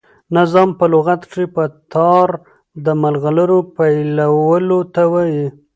نظام په لغت کښي په تار د ملغلرو پېیلو ته وايي.